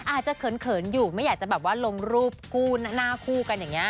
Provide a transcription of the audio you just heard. อาจจะเขินอยู่ไม่อยากจะแบบว่าลงรูปคู่หน้าคู่กันอย่างนี้